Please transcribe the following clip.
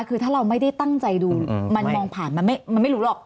คือถ้าเราไม่ได้ตั้งใจดูมันมองผ่านมันไม่รู้หรอก